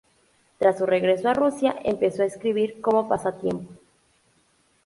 Tras su regreso a Rusia empezó a escribir como pasatiempo.